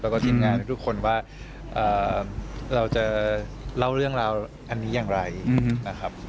แล้วก็ทีมงานทุกคนว่าเราจะเล่าเรื่องราวอันนี้อย่างไรนะครับ